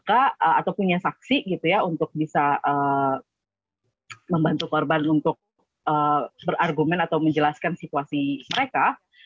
atau punya saksi gitu ya untuk bisa membantu korban untuk berargumen atau menjelaskan situasi mereka